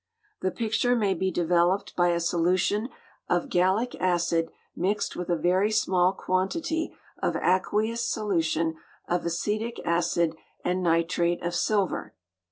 The picture may be developed by a solution of gallic acid mixed with a very small quantity of an aqueous solution of acetic acid and nitrate of silver.